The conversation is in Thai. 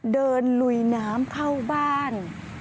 เดินลุยน้ำเข้าบ้าน